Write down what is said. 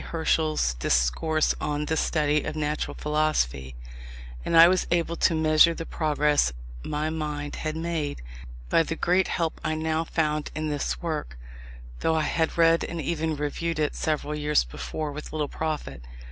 Herschel's Discourse on the Study of Natural Philosophy: and I was able to measure the progress my mind had made, by the great help I now found in this work though I had read and even reviewed it several years before with little profit.